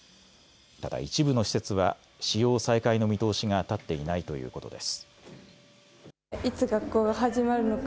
ただ一部の施設は使用再開の見通しが立っていないということです。